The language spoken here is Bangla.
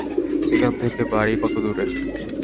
এখান থেকে বাড়ি কত দূরে?